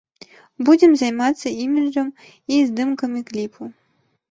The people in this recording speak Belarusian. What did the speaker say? Будзем займацца іміджам і здымкамі кліпу.